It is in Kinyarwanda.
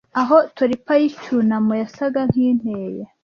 aho torpor yicyunamo yasaga nkinteye